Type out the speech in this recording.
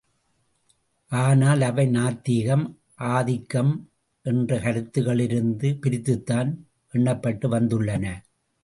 ஆனால் அவை நாத்திகம், ஆதிக்கம் என்ற கருத்துக்களில் இருந்து பிரித்துத்தான் எண்ணப்பட்டு வந்துள்ளன.